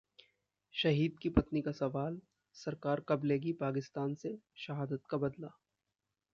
शहीद की पत्नी का सवाल- सरकार कब लेगी पाकिस्तान से शहादत का बदला